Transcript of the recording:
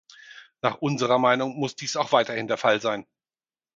Nach unserer Meinung muss dies auch weiterhin der Fall sein.